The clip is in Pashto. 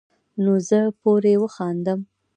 نو زۀ پورې وخاندم ـ